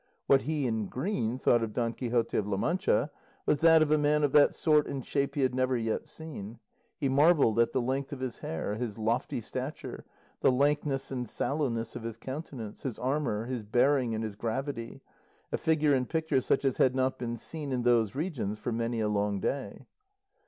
What he in green thought of Don Quixote of La Mancha was that a man of that sort and shape he had never yet seen; he marvelled at the length of his hair, his lofty stature, the lankness and sallowness of his countenance, his armour, his bearing and his gravity a figure and picture such as had not been seen in those regions for many a long day.